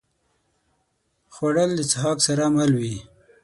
خوړل د څښاک سره مل وي